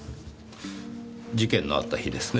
事件のあった日ですね。